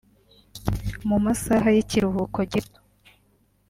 mu masaha y’ikiruhuko gito